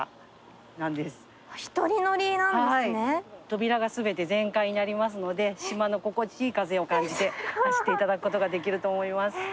扉が全て全開になりますので島の心地いい風を感じて走っていただくことができると思います。